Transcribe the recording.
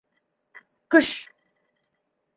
— Көш!